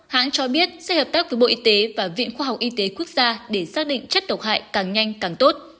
hãng cho biết sẽ hợp tác với bộ y tế và viện khoa học y tế quốc gia để xác định chất độc hại càng nhanh càng tốt